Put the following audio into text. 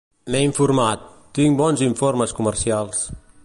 M'he informat, tinc bons informes comercials